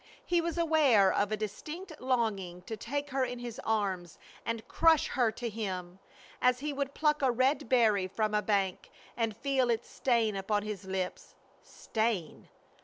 He was aware of a distinct longing to take her in his arms and crush her to him, as he would pluck a red berry from a bank, and feel its stain upon his lips. Stain!